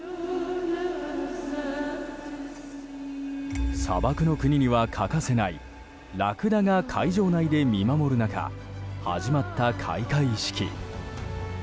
砂漠の国には欠かせないラクダが会場内で見守る中始まった開会式。